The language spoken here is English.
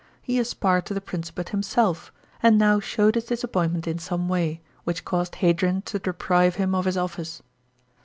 He aspired to the Pnncipate himself, and now showed his disappointment in some way, which caused Hadrian to deprive him of his office.